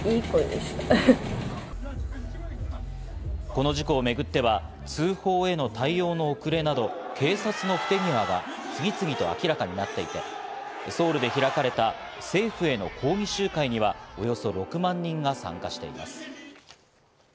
この事故をめぐっては通報への対応の遅れなど警察の不手際が次々と明らかになっていて、ソウルで開かれた政府への抗議集会には、およそ６万人が参加しています。